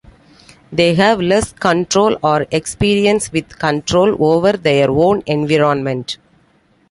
They have less control, or experience with control, over their own environment.